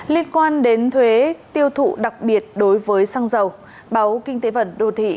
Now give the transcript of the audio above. liên quan đến thuế tiêu thụ đặc biệt đối với xăng dầu báo kinh tế vẩn đô thị